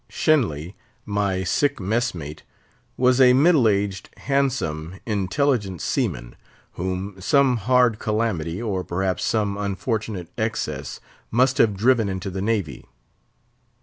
Shenly, my sick mess mate, was a middle aged, handsome, intelligent seaman, whom some hard calamity, or perhaps some unfortunate excess, must have driven into the Navy.